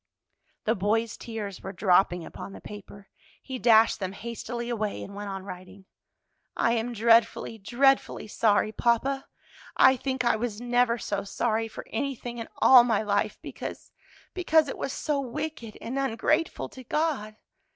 The boy's tears were dropping upon the paper. He dashed them hastily away, and went on writing. "I am dreadfully, dreadfully sorry, papa! I think I was never so sorry for anything in all my life, because because it was so wicked and ungrateful to God.